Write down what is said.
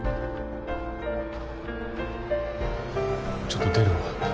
ちょっと出るわ。